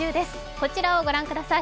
こちらをご覧ください。